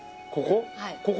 ここ？